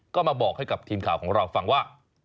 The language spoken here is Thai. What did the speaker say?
ก็มาบอกให้กับทีมข่าวของเราฟังว่า